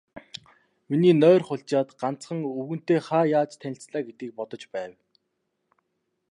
Миний нойр хулжаад, ганцхан, өвгөнтэй хаа яаж танилцлаа гэдгийг бодож байв.